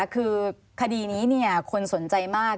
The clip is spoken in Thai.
คือคดีนี้คนสนใจมาก